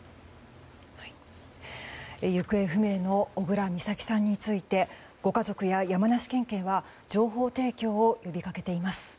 行方不明の小倉美咲さんについてご家族や山梨県警は情報提供を呼び掛けています。